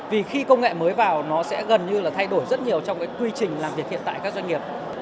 vì khi công nghệ mới vào nó sẽ gần như là thay đổi rất nhiều trong cái quy trình làm việc hiện tại các doanh nghiệp